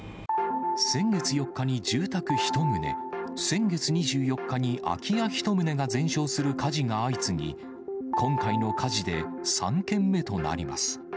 先月４日に住宅１棟、先月２４日に空き家１棟が全焼する火事が相次ぎ、今回の火事で３件目となります。